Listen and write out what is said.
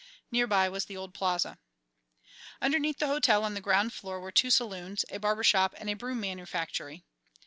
Near by was the old Plaza. Underneath the hotel on the ground floor were two saloons, a barber shop, and a broom manufactory.